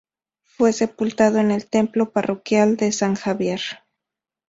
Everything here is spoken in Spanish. Fue sepultado en el templo parroquial de San Javier.